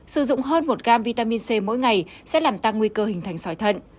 sử dụng hơn một gram vitamin c mỗi ngày sẽ làm tăng nguy cơ hình thành sỏi thận